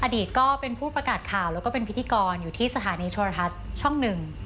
อดีตก็เป็นผู้ประกาศข่าวแล้วก็เป็นพิธีกรอยู่ที่สถานีโทรทัศน์ช่องหนึ่ง